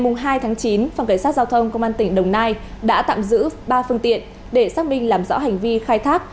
ngày hai tháng chín phòng cảnh sát giao thông công an tỉnh đồng nai đã tạm giữ ba phương tiện để xác minh làm rõ hành vi khai thác